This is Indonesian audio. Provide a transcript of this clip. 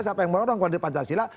siapa yang mengorong kode pancasila